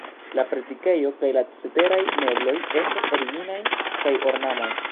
La predikejo kaj la ceteraj mebloj estas originaj kaj ornamaj.